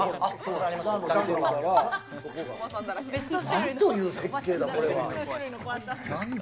なんという設計だ、これは。